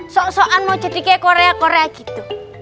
sok sokan mau jadi kayak korea korea gitu